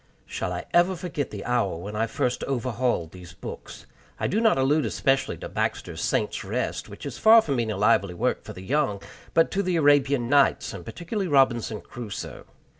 Shall I ever forget the hour when I first overhauled these books? I do not allude especially to Baxter's Saints' Rest, which is far from being a lively work for the young, but to the Arabian Nights, and particularly Robinson Crusoe.